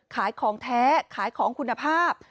ขายของแท้ขายของคุณภาพ